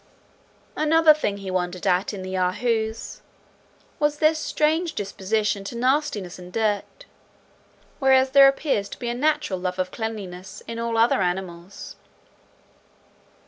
"Another thing he wondered at in the Yahoos, was their strange disposition to nastiness and dirt; whereas there appears to be a natural love of cleanliness in all other animals."